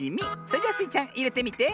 それじゃスイちゃんいれてみて。